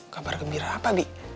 kabar gembira apa bi